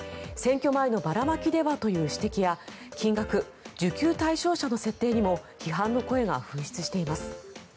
選挙前のばらまきではという指摘や金額、受給対象者の設定にも批判の声が噴出しています。